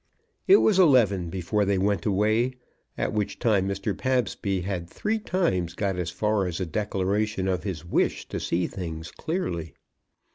It was eleven before they went away, at which time Mr. Pabsby had three times got as far as a declaration of his wish to see things clearly.